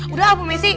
udah bu messi